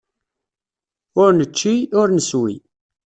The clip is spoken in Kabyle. Ur nečči, ur neswi.